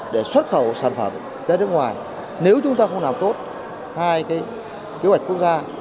để xuất khẩu sản phẩm ra nước ngoài nếu chúng ta không làm tốt hai kế hoạch quốc gia